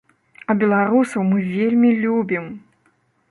А беларусаў мы вельмі любім!